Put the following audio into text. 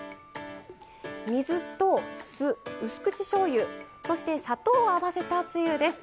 水と酢うす口しょうゆそして砂糖を合わせたつゆです。